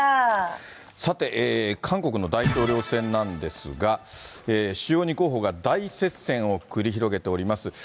さて、韓国の大統領選なんですが、主要２候補が大接戦を繰り広げております。